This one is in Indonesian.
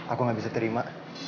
aku gak bisa terima